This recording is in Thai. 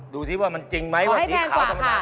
ดูสิว่ามันจริงไหมว่าสีขาว